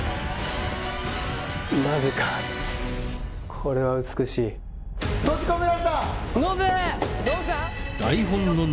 マジかこれは美しい閉じ込められたノブ！